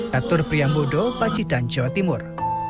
ketur priyambodo pacitan jawa timur